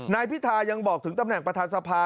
นายพิทายังบอกถึงตำแหน่งประธานสภา